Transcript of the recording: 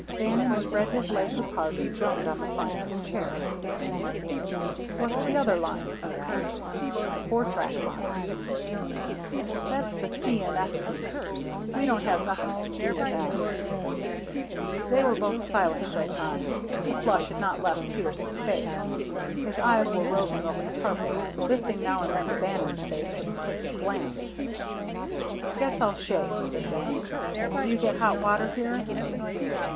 Bannon spread his legs apart and drummed on the front of his chair. "What's the other line?" he asked "the four track line?" "That's the C. & S. C. We don't have nothing to do with them." They were both silent for a time. The flush had not left Peterson's face. His eyes were roving over the carpet, lifting now and then to Bannon's face with a quick glance. "Guess I'll shave," said Bannon. "Do you get hot water here?"